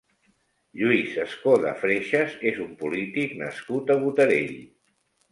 Lluís Escoda Freixas és un polític nascut a Botarell.